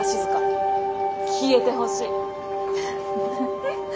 消えてほしい。